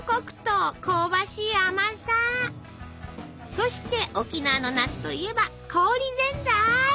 そして沖縄の夏といえば「氷ぜんざい」！